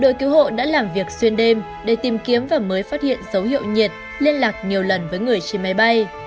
đội cứu hộ đã làm việc xuyên đêm để tìm kiếm và mới phát hiện dấu hiệu nhiệt liên lạc nhiều lần với người trên máy bay